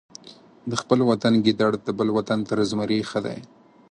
د خپل وطن ګیدړ د بل وطن تر زمري ښه دی.